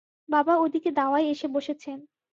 বাবা ওদিকে দাওয়ায় এসে বসেছেন।